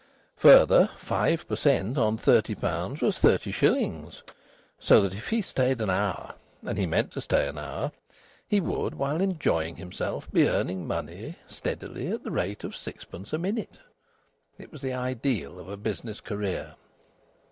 Further 5 per cent. on thirty pounds was thirty shillings, so that if he stayed an hour and he meant to stay an hour he would, while enjoying himself, be earning money steadily at the rate of sixpence a minute. It was the ideal of a business career.